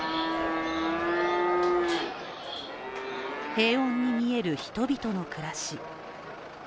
平穏に見える人々の暮らし。